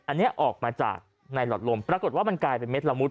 อันนี้ออกมาจากในหลอดลมปรากฏว่ามันกลายเป็นเด็ดละมุด